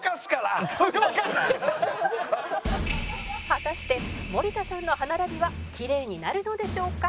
「果たして森田さんの歯並びはきれいになるのでしょうか？」